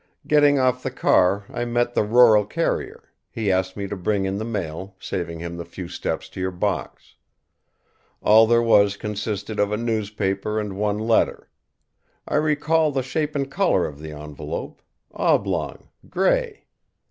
Getting off the car, I met the rural carrier; he asked me to bring in the mail, saving him the few steps to your box. All there was consisted of a newspaper and one letter. I recall the shape and colour of the envelope oblong, grey.